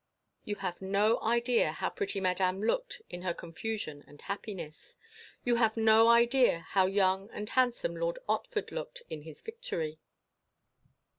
You have no idea how pretty Madame looked in her confusion and happiness. You have no idea how young and handsome Lord Otford looked in his victory.